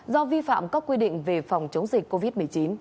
do vi phạm các quy định về phòng chống dịch covid một mươi chín